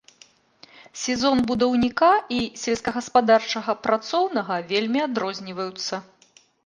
Сезон будаўніка і сельскагаспадарчага працоўнага вельмі адрозніваюцца.